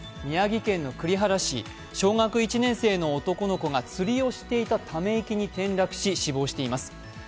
宮城県の栗原市、小学１年生の男の子が釣りをしていたため池に転落し、死亡しています。